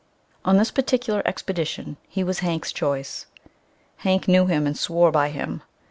On this particular expedition he was Hank's choice. Hank knew him and swore by him.